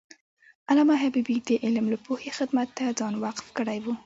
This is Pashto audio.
علامه حبیبي د علم او پوهې خدمت ته ځان وقف کړی و.